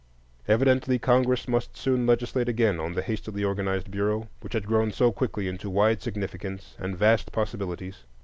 Evidently, Congress must soon legislate again on the hastily organized Bureau, which had so quickly grown into wide significance and vast possibilities.